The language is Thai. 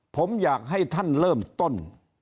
ผมอยากให้ท่านเริ่มต้น